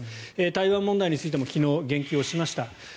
台湾問題についても昨日、言及しました。